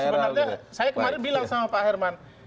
sebenarnya saya kemarin bilang sama pak herman